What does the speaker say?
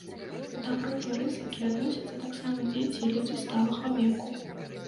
Да групы рызыкі адносяцца таксама дзеці і людзі сталага веку.